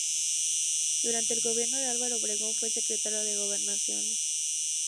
Durante el gobierno de Álvaro Obregón fue secretario de Gobernación.